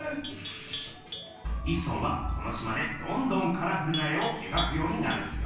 一村はこのしまでどんどんカラフルな絵をえがくようになるんすよ。